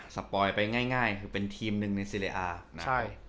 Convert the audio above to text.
สปอยไปง่ายเป็นทีมหนึ่งในเซรียร์อ่า